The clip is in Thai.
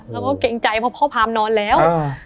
แล้วก็เกรงใจเพราะพ่อพร้ำนอนแล้ว